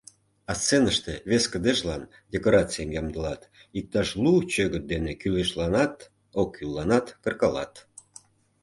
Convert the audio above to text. А сценыште вес кыдежлан декорацийым ямдылат; иктаж лу чӧгыт дене кӱлешланат, оккӱлланат кыркалат.